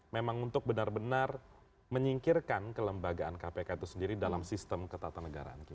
memang untuk benar benar menyingkirkan kelembagaan kpk itu sendiri dalam sistem ketatanegaraan kita